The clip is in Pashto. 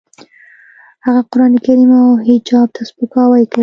هغه قرانکریم او حجاب ته سپکاوی کوي